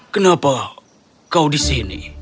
kenapa kau di sini